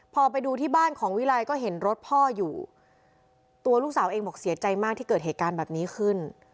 พอไปดูที่บ้านของวิลัยก็เห็นรถพ่ออยู่ตัวลูกสาวเองบอกเสียใจมากที่เกิดเหตุการณ์แบบนี้ขึ้น